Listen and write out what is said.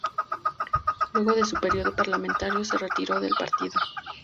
Luego de su período parlamentario se retiró del partido.